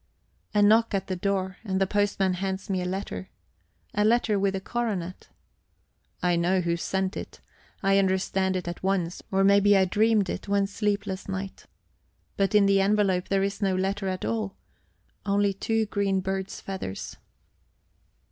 A knock at the door, and the postman hands me a letter. A letter with a coronet. I know who sent it; I understand it at once, or maybe I dreamed it one sleepless night. But in the envelope there is no letter at all only two green bird's feathers.